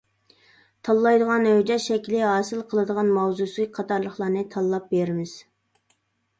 تاللايدىغان ھۆججەت شەكلى، ھاسىل قىلىدىغان ماۋزۇسى قاتارلىقلارنى تاللاپ بېرىمىز.